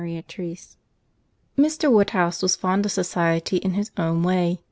CHAPTER III Mr. Woodhouse was fond of society in his own way.